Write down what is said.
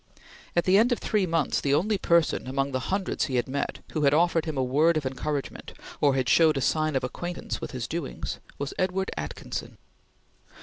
At the end of three months, the only person, among the hundreds he had met, who had offered him a word of encouragement or had shown a sign of acquaintance with his doings, was Edward Atkinson.